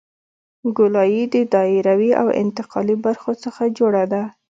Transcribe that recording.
ګولایي د دایروي او انتقالي برخو څخه جوړه ده